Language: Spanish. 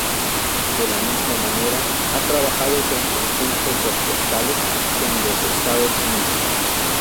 De la misma manera ha trabajado con conjuntos orquestales en los Estados Unidos.